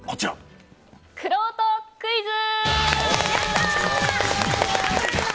くろうとクイズ！